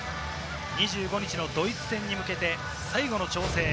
２５日のドイツ戦に向けて最後の調整。